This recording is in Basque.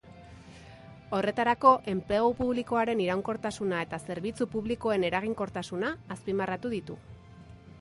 Horretarako, enplegu publikoaren iraunkortasuna eta zerbitzu publikoen eraginkortasuna azpimarratu ditu.